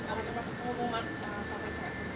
apa surprise pengumuman yang akan sampai saat ini